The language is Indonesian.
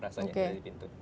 rasanya jadi pintu